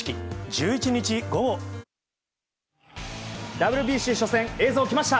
ＷＢＣ初戦、映像来ました。